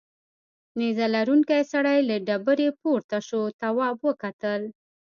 نیزه لرونکی سړی له ډبرې پورته شو تواب وکتل.